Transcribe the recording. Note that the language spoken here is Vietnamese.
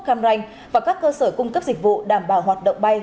cam ranh và các cơ sở cung cấp dịch vụ đảm bảo hoạt động bay